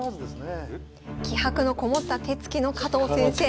気迫のこもった手つきの加藤先生。